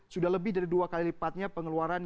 sudah lebih dari dua kali lipatnya pengeluaran